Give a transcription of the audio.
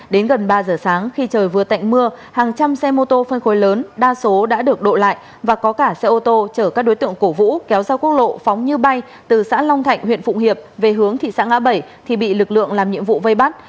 đến gần ba giờ sáng khi trời vừa tạnh mưa hàng trăm xe mô tô phân khối lớn đa số đã được đổ lại và có cả xe ô tô chở các đối tượng cổ vũ kéo ra quốc lộ phóng như bay từ xã long thạnh huyện phụng hiệp về hướng thị xã ngã bảy thì bị lực lượng làm nhiệm vụ vây bắt